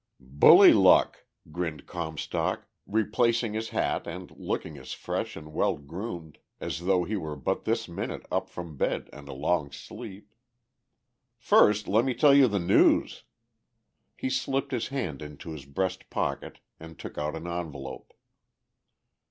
"Bully luck," grinned Comstock, replacing his hat and looking as fresh and well groomed as though he were but this minute up from bed and a long sleep. "First let me tell you the news." He slipped his hand into his breast pocket and took out an envelope.